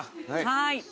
はい。